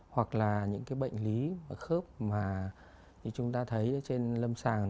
hoặc là những bệnh lý khớp mà như chúng ta thấy trên lâm sàng